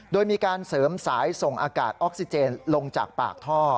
โดยมีการเสริมสายส่งอากาศออกซิเจนลงจากปากท่อ